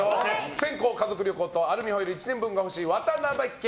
先攻は家族旅行とアルミホイル１年分が欲しい渡邉家。